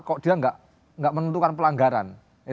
kok dia tidak menentukan pelanggaran